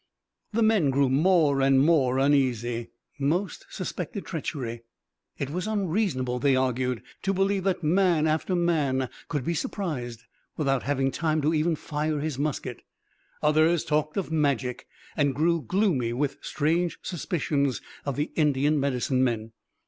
The men grew more and more uneasy. Most suspected treachery. It was unreasonable, they argued, to believe that man after man could be surprised without having time even to fire his musket. Others talked of magic, and grew gloomy with strange suspicions of the Indian medicinemen.